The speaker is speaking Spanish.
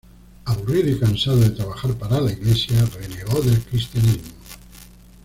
Aburrido y cansado de trabajar para la iglesia, renegó del cristianismo.